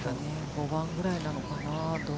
５番ぐらいなのかな。